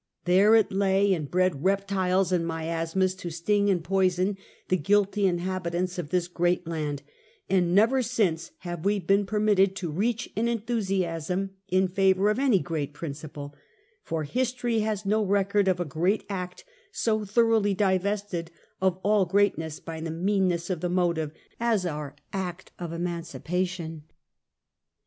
There it lay, and bred reptiles and miasmas to sting and poison the guilty inhabitants of this great land; and never since have we been permitted to reach an enthusiasm in favor of any great principle; for history has no record of a great act so thoroughly di vested of all greatness by the meanness of the motive, as is our "Act of Emancipation."